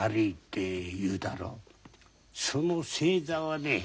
その星座はね